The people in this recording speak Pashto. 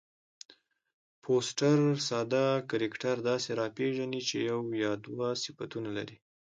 فوسټر ساده کرکټر داسي راپېژني، چي یو یا دوه صفتونه لري.